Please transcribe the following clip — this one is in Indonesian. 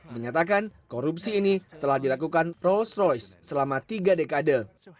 menyatakan korupsi ini telah dilakukan rolls royce selama tiga dekade